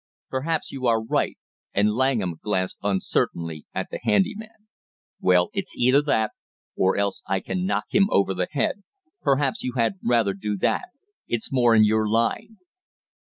"Perhaps you are right!" And Langham glanced uncertainly at the handy man. "Well, it's either that, or else I can knock him over the head. Perhaps you had rather do that, it's more in your line."